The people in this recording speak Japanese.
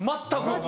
全く。